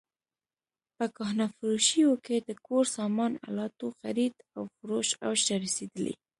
په کهنه فروشیو کې د کور سامان الاتو خرید او فروش اوج ته رسېدلی.